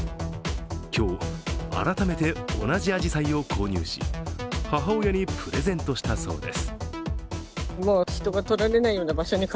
今日、改めて同じあじさいを購入し、母親にプレゼントしたそうです。